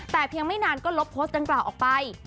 แต่เพียงไม่นานก็ลบโพสต์ดังกล่าวออกไป